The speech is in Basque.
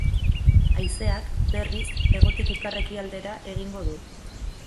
Haizeak, berriz, hegotik ipar-ekialdera egingo du.